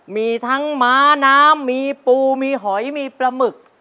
มีทั้งม้าน้ำมีปูมีหอยมีปลาหมึก